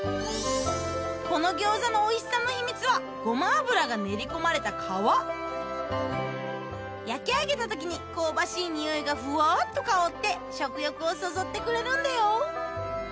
この餃子のおいしさの秘密は焼き上げた時に香ばしい匂いがふわっと香って食欲をそそってくれるんだよ